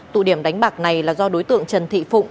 tụ điểm đánh bạc này là do đối tượng trần thị phụng